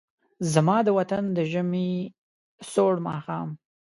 زما د وطن د ژمې سوړ ماښام